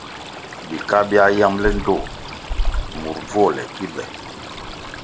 Bika biā yambʼle ndtoh mur bvuole ki be.